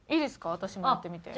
私もやってみて。